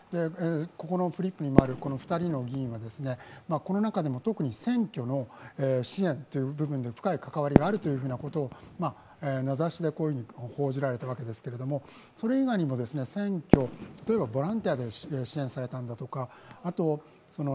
ここのフリップにもある２人の議員はこの中でも特に選挙の支援の部分で深い関わりがあると名指しでこういうふうに報じられたわけですけれども、それ以外にも選挙、例えばボランティアで支援されたんだとか